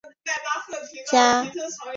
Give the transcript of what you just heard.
迦太基政府被迫重新起用哈米尔卡。